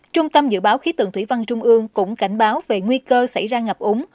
trung tâm dự báo khí tượng thủy văn trung ương cũng cảnh báo về nguy cơ xảy ra ngập úng